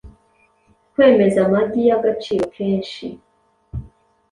Kwemeza 'amagi' y'agaciro kenshi